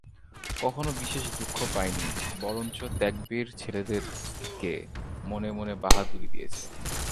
কখনো বিশেষ দুঃখ পায় নি, বরঞ্চ ত্যাগবীর ছেলেদেরকে মনে মনে বাহাদুরি দিয়েছে।